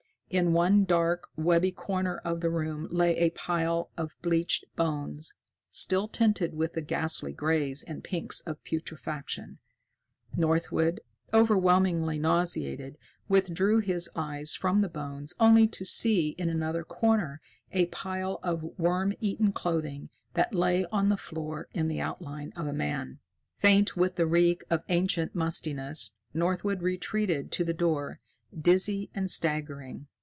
In one dark, webby corner of the room lay a pile of bleached bones, still tinted with the ghastly grays and pinks of putrefaction. Northwood, overwhelmingly nauseated, withdrew his eyes from the bones, only to see, in another corner, a pile of worm eaten clothing that lay on the floor in the outline of a man. Faint with the reek of ancient mustiness, Northwood retreated to the door, dizzy and staggering.